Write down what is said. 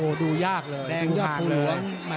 โหดูยากเลยแดงยอดภูเหลือง